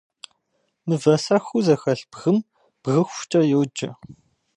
Мывэсэхуу зэхэлъ бгым бгыхукӏэ йоджэ.